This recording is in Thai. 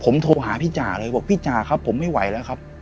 ผมโทรหาพี่จ่าเลยบอกพี่จ่าครับผมไม่ไหวแล้วครับ